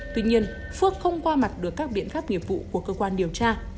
tuy nhiên phước không qua mặt được các biện pháp nghiệp vụ của cơ quan điều tra